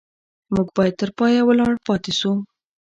موږ باید تر پایه ولاړ پاتې شو.